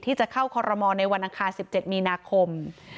ที่จะเข้าคอรมอลในวันอังคาร๑๗มีนาคม